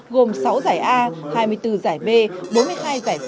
gồm sáu giải a hai mươi bốn giải b bốn mươi hai giải c và ba mươi bốn giải khuyến khích